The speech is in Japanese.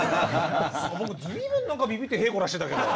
僕随分ビビッてへいこらしてたけど。